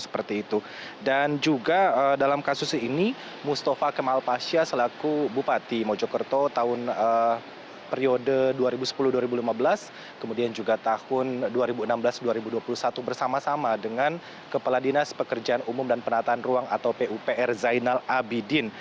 pada tahun dua ribu lima belas kemudian juga tahun dua ribu enam belas dua ribu dua puluh satu bersama sama dengan kepala dinas pekerjaan umum dan penataan ruang atau pupr zainal abidin